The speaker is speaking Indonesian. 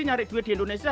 nyari duit di indonesia